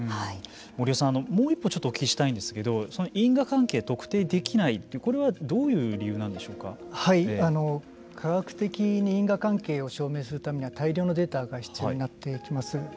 森尾さん、もう一歩お聞きしたいですけれども因果関係を特定できないこれは科学的に因果関係を証明するためには大量のデータが必要になってきます。